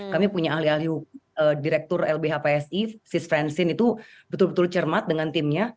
kami punya ahli ahli direktur lbh psi sis francin itu betul betul cermat dengan timnya